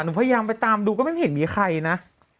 พยายามไปตามดูก็ไม่เห็นมีใครนะ